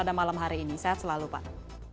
dan malam hari ini sehat selalu pak